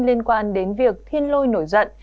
liên quan đến việc thiên lôi nổi giận